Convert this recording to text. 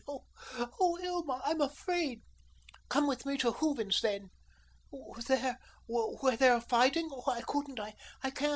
Oh, Hilma, I'm afraid." "Come with me to Hooven's then." "There, where they are fighting? Oh, I couldn't. I I can't.